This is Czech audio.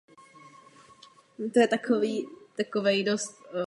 Hlavní roli ztvárnil Howard Vernon.